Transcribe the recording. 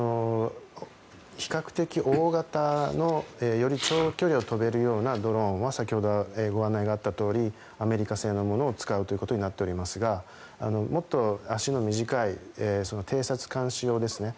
比較的大型のより長距離を飛べるようなドローンは先ほど、ご案内があったとおりアメリカ製のものを使うということになっておりますがもっと足の短い偵察監視用ですね。